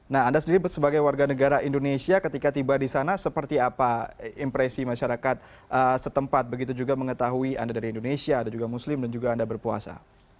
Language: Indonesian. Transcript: nah anda sendiri sebagai warga negara indonesia ketika tiba di sana seperti apa impresi masyarakat setempat begitu juga mengetahui anda dari indonesia ada juga muslim dan juga anda berpuasa